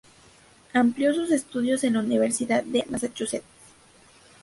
Amplió sus estudios en la Universidad de Massachusetts.